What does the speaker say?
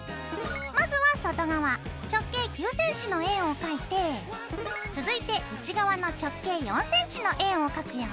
まずは外側直径９ｃｍの円を描いて続いて内側の直径４ｃｍの円を描くよ。